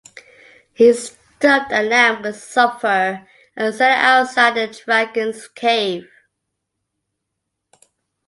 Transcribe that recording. He stuffed a lamb with sulphur and set it outside the dragon's cave.